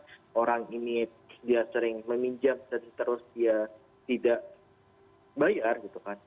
kalau orang ini dia sering meminjam dan terus dia tidak bayar gitu kan